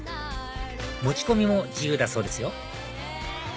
持ち込みも自由だそうですよ